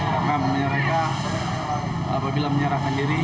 karena apabila menyerahkan diri